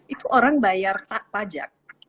itu orang bayar pajak